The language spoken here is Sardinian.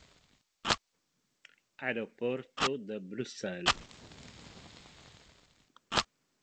Aeroportu de Bruxelles.